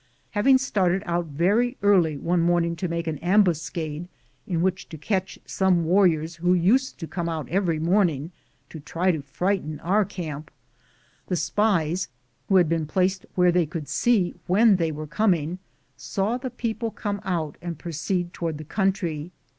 Having started out very early one morning to make an am buscade in which to catch some warriors who used to come out every morning to try to frighten our camp, the spies, who had been placed where they could see when they were coming, saw the people come out and proceed toward the country.